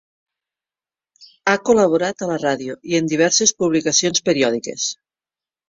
Ha col·laborat a la ràdio i en diverses publicacions periòdiques.